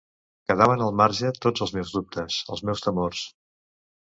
Quedaven al marge tots els meus dubtes, els meus temors.